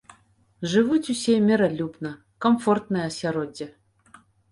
Жывуць усе міралюбна, камфортнае асяроддзе.